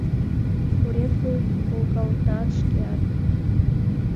Пурет гын, волгалтат шкеат.